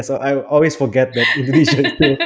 saya selalu lupa bahwa indonesia